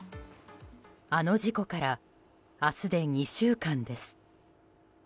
あの事故から明日で２週間です。